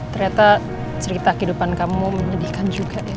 ternyata cerita kehidupan kamu menyedihkan juga ya